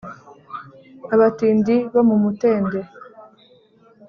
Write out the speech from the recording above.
Abatindi bo mu Mutende